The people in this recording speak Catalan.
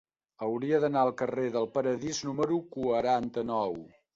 Hauria d'anar al carrer del Paradís número quaranta-nou.